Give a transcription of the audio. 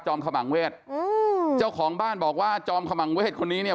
ขมังเวศอืมเจ้าของบ้านบอกว่าจอมขมังเวศคนนี้เนี่ย